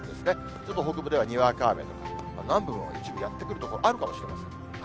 ちょっと北部ではにわか雨とか、南部も一部やってくる所、あるかもしれません。